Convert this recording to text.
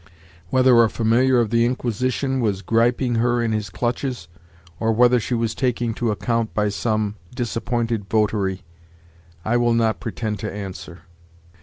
Whether a familiar of the Inquisition was griping her in his clutches, or whether she was taking to account by some disappointed votary, I will not pretend to answer.'